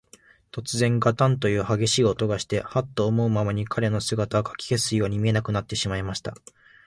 とつぜん、ガタンというはげしい音がして、ハッと思うまに、彼の姿は、かき消すように見えなくなってしまいました。